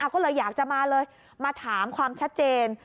ก็เลยอยากจะมาเลยมาถามความชัดเจน